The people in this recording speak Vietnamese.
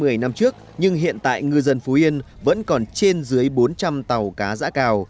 từ năm trước nhưng hiện tại ngư dân phú yên vẫn còn trên dưới bốn trăm linh tàu cá giã cào